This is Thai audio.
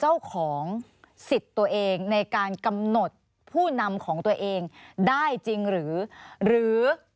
จะไม่ได้มาในสมัยการเลือกตั้งครั้งนี้แน่